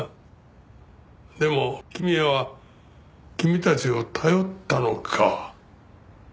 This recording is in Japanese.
でも公也は君たちを頼ったのか。